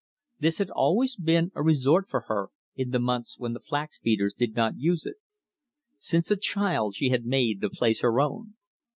This had always been a resort for her in the months when the flax beaters did not use it. Since a child she had made the place her own.